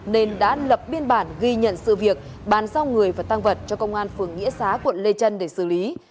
nên đã lập biên bản ghi nhận sự việc bàn giao người và tăng vật cho công an phường nghĩa xá quận lê trân để xử lý